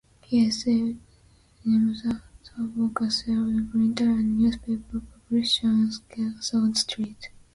He established himself as a bookseller, printer and newspaper publisher on Castle Street.